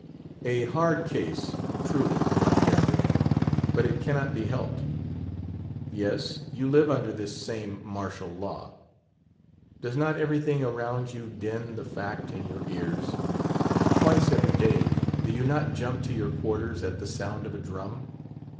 A hard case, truly, White Jacket; but it cannot be helped. Yes; you live under this same martial law. Does not everything around you din the fact in your ears? Twice every day do you not jump to your quarters at the sound of a drum?